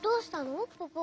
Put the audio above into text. ポポ。